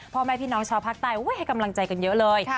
พ่อแม่พี่น้องชาวภาคใต้ให้กำลังใจกันเยอะเลย